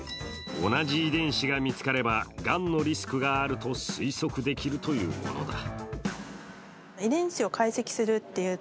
同じ遺伝子が見つかれば、がんのリスクがあると推測できるというものだ。